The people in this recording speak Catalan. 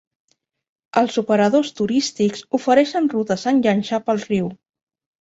Els operadors turístics ofereixen rutes en llanxa pel riu.